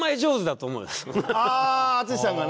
あ淳さんがね。